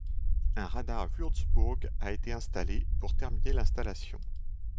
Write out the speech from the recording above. Un radar Würzburg a été installé pour terminer l'installation.